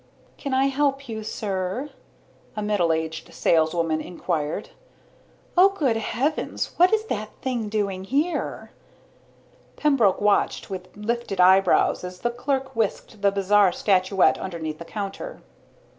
"Can I help you, sir?" a middle aged saleswoman inquired. "Oh, good heavens, whatever is that thing doing here?" Pembroke watched with lifted eyebrows as the clerk whisked the bizarre statuette underneath the counter.